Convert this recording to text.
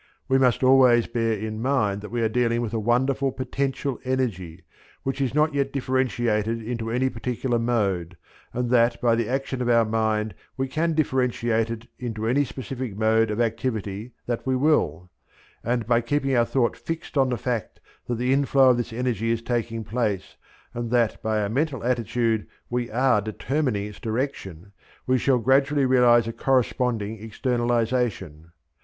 We must always bear in mind that we are dealing with a wonderful potential energy which is not yet differentiated into any particular mode, and that by the action of our mind we can differentiate it into any specific mode of activity that we will; and by keeping our thought fixed on the fact that the inflow of this energy is taking place and that by our mental attitude we are determining its direction, we shall gradually realize a corresponding externalization.